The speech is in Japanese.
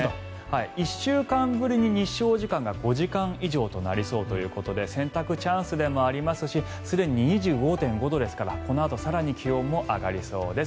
１週間ぶりに日照時間が５時間以上となりそうということで洗濯チャンスでもありますしすでに２５．５度ですからこのあと更に気温も上がりそうです。